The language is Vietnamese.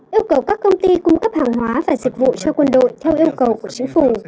yêu cầu các công ty cung cấp hàng hóa và dịch vụ cho quân đội theo yêu cầu của chính phủ